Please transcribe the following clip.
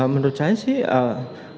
menurut saya sih